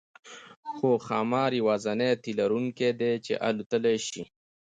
هو ښامار یوازینی تی لرونکی دی چې الوتلی شي